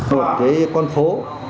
một cái con phố